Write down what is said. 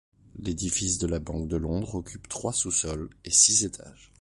L'édifice de la Banque de Londres occupe trois sous-sols et six étages.